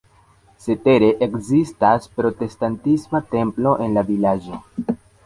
Cetere ekzistas protestantisma templo en la vilaĝo.